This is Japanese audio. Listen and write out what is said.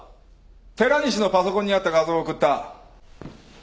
寺西のパソコンにあった画像を送った。